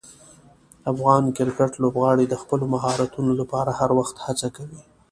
افغان کرکټ لوبغاړي د خپلو مهارتونو لپاره هر وخت هڅه کوي.